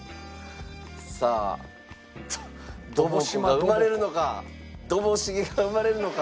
さあドボ子が生まれるのかドボ茂が生まれるのか。